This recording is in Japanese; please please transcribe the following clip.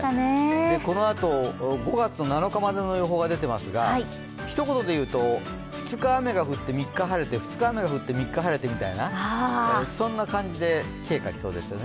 このあと、５月７日までの予報が出ていますが、ひと言で言うと２日雨が降って、３日晴れて２日雨が降って、３日晴れてみたいなそんな感じで経過しそうですね。